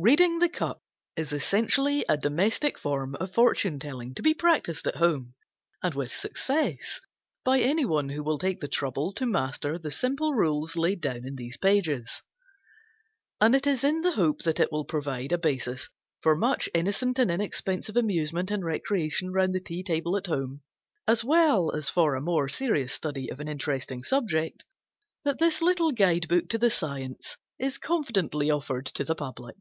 Reading the Cup is essentially a domestic form of Fortune telling to be practised at home, and with success by anyone who will take the trouble to master the simple rules laid down in these pages: and it is in the hope that it will provide a basis for much innocent and inexpensive amusement and recreation round the tea table at home, as well as for a more serious study of an interesting subject, that this little guide book to the science is confidently offered to the public.